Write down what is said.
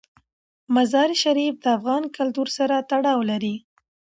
مزارشریف د افغان کلتور سره تړاو لري.